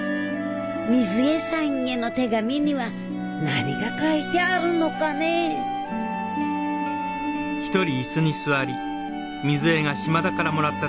みづえさんへの手紙には何が書いてあるのかね家族か。